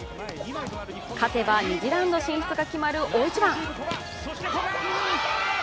勝てば２次ラウンド進出が決まる大一番。